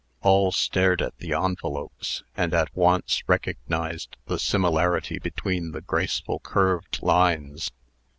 All stared at the envelopes, and at once recognized the similarity between the graceful curved lines.